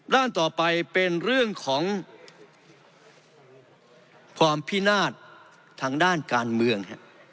ด้านต่อไปเป็นเรื่องของความพินาศทางด้านการเมือง